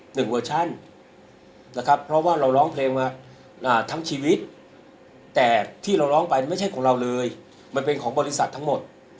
เวอร์ชั่นนะครับเพราะว่าเราร้องเพลงมาทั้งชีวิตแต่ที่เราร้องไปไม่ใช่ของเราเลยมันเป็นของบริษัททั้งหมด